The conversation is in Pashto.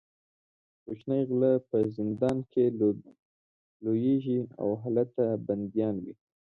کوچني غله په زندان کې لویېږي او هلته بندیان وي.